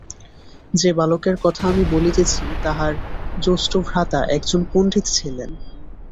যে বালকের কথা আমি বলিতেছি, তাঁহার জ্যেষ্ঠ ভ্রাতা একজন পণ্ডিত ছিলেন।